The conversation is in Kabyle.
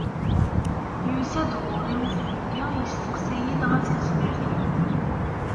Yusa-d ɣur-i ufremli yesteqsa-yid ɣef tezmert-iw.